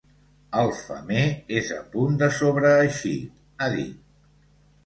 El femer és a punt de sobreeixir, ha dit.